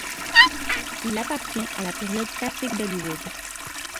Il appartient à la période classique d'Hollywood.